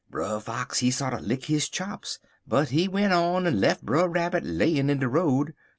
Brer Fox, he sorter lick his chops, but he went on en lef' Brer Rabbit layin' in de road.